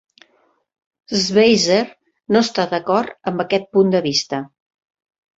Schweizer no està d'acord amb aquest punt de vista.